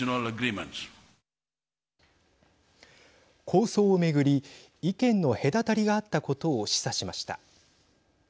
構想をめぐり意見の隔たりがあったことを示唆しました。